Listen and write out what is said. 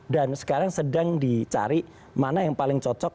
dan sekarang sedang dicari mana yang paling cocok